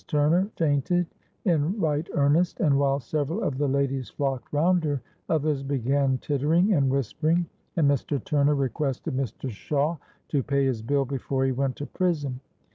Turner fainted in right earnest, and while several of the ladies flocked round her, others began tittering and whispering, and Mr. Turner requested Mr. Shawe to pay his bill before he went to prison.